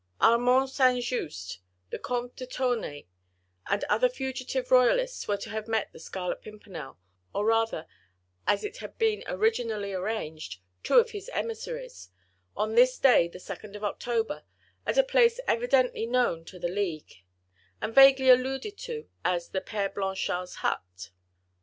Armand St. Just, the Comte de Tournay and other fugitive royalists were to have met the Scarlet Pimpernel—or rather, as it had been originally arranged, two of his emissaries—on this day, the 2nd of October, at a place evidently known to the league, and vaguely alluded to as the "Père Blanchard's hut."